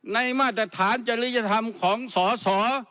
มาตรฐานจริยธรรมของสส